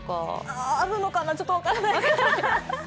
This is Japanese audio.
あるのかな、ちょっと分からない。